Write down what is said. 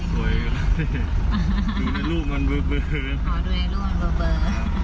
ดูในรูปมันเบอร์เบอร์อ๋อดูในรูปมันเบอร์เบอร์